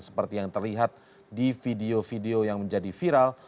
seperti yang terlihat di video video yang menjadi viral